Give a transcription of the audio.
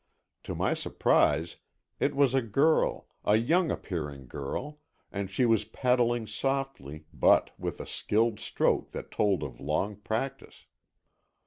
To my surprise it was a girl, a young appearing girl, and she was paddling softly, but with a skilled stroke that told of long practice.